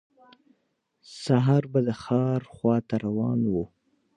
سهار به د ښار خواته روان و.